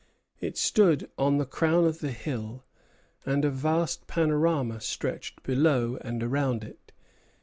It stood on the crown of the hill, and a vast panorama stretched below and around it.